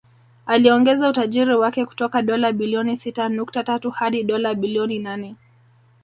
Aliongeza utajiri wake kutoka dola bilioni sita nukta tatu hadi dola bilioni nane